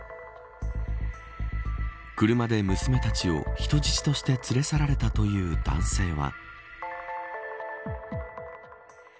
車で娘たちを人質として連れ去られたという男性は。